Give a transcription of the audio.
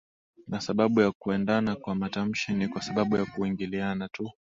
na sababu ya kuendana kwa matamshi ni kwa sababu ya kuingiliana tu